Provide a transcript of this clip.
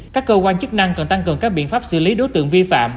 các cơ quan chức năng cần tăng cường các biện pháp xử lý đối tượng vi phạm